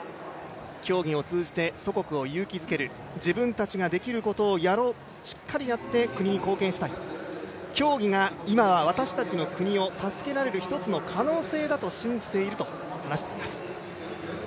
競技を通じて祖国を勇気づける、自分たちができることをやろう、しっかりやって国に貢献したい、競技が今は私たちの国を助けられる一つの可能性だと信じていると話しています。